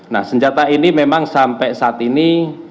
nah senjata ini memang sampai saat ini